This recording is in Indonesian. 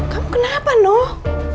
kamu kenapa noh